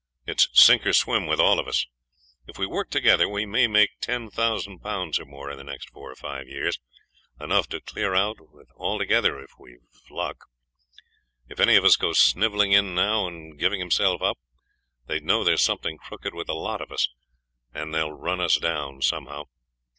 It's sink or swim with all of us. If we work together we may make ten thousand pounds or more in the next four or five years, enough to clear out with altogether if we've luck. If any of us goes snivelling in now and giving himself up, they'd know there's something crooked with the lot of us, and they'll run us down somehow.